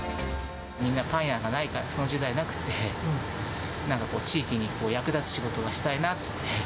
みんな、パン屋がないから、その時代になくて、なんか地域に役立つ仕事がしたいなっていって。